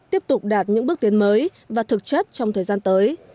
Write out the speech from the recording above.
tiếp tục đạt những bước tiến mới và thực chất trong thời gian tới